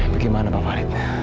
bagaimana pak farid